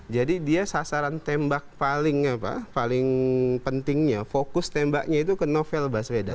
jadi dia sasaran tembak paling apa paling pentingnya fokus tembaknya itu ke novel bahasa beda